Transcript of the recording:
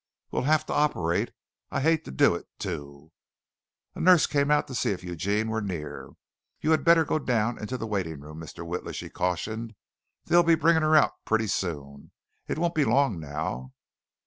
"We'll have to operate. I hate to do it, too." A nurse came out to see if Eugene were near. "You had better go down into the waiting room, Mr. Witla," she cautioned. "They'll be bringing her out pretty soon. It won't be long now."